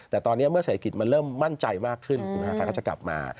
แต่ตอนนี้เมื่อเศรษฐกิจมันเริ่มมั่นใจมากขึ้นใครก็จะกลับมา